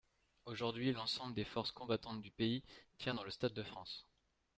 Aujourd’hui, l’ensemble des forces combattantes du pays tient dans le stade de France.